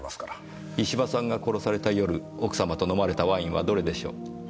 石場さんが殺された夜奥様と飲まれたワインはどれでしょう？